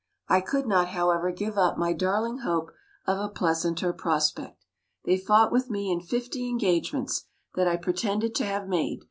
I could not, however, give up my darling hope of a pleasanter prospect. They fought with me in fifty engagements that I pretended to have made.